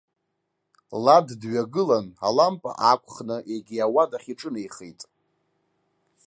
Лад дҩагылан, алампа аақәхны егьи ауадахь иҿынеихеит.